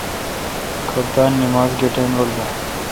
کھپتان اے نمز گہ ٹیم بون